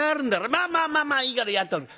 「まあまあまあまあいいからやっとくれ。